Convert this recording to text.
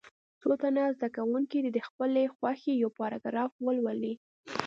څو تنه زده کوونکي دې د خپلې خوښې یو پاراګراف ولولي.